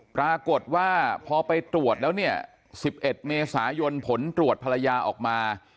ปรากฏว่าพอไปตรวจแล้วเนี่ย๑๑เมษายนผลตรวจภรรยาออกมา